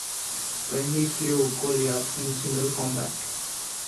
When he slew Goliath in single combat.